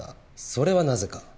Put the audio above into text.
それはなぜか？